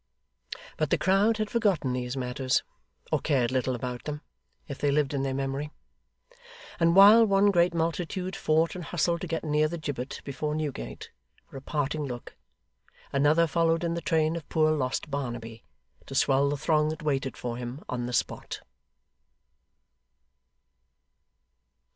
But the crowd had forgotten these matters, or cared little about them if they lived in their memory: and while one great multitude fought and hustled to get near the gibbet before Newgate, for a parting look, another followed in the train of poor lost Barnaby, to swell the throng that waited for him on the spot.